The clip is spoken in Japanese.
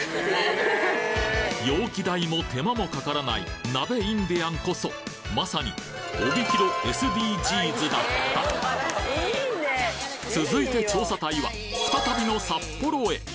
容器代も手間もかからない鍋インデアンこそまさに続いて調査隊は再びの札幌へ。